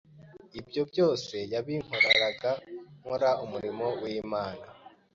Ibyo byose yabinkoreraga nkora umurimo w’Imana ,